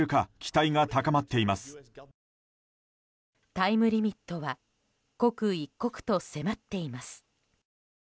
タイムリミットは刻一刻と迫っています。